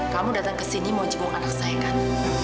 kamu datang kesini mau jenguk anak saya kan